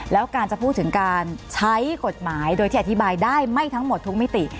แล้วการจะพูดถึงการใช้กฎหมายโดยที่อธิบายได้ไม่ทั้งหมดทุกมิติ